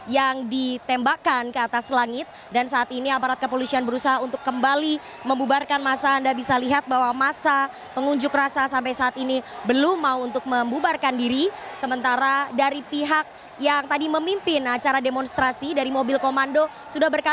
yang anda dengar saat ini sepertinya adalah ajakan untuk berjuang bersama kita untuk keadilan dan kebenaran saudara saudara